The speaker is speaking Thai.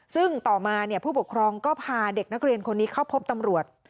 ซึ่งต่อมาผู้ปกครองก็พาเด็กนักเรียนคนนี้เข้าพบตำรวจ